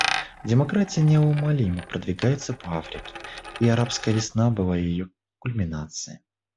Демократия неумолимо продвигается по Африке, и «арабская весна» была ее кульминацией.